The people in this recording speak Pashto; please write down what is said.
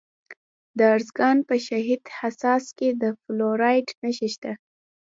د ارزګان په شهید حساس کې د فلورایټ نښې شته.